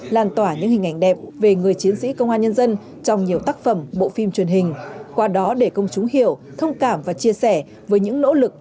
làn tỏa những hình ảnh đẹp về người chiến sĩ công an nhân dân trong nhiều tác phẩm bộ phim truyền hình qua đó để công chúng hiểu thông cảm và chia sẻ với những nỗ lực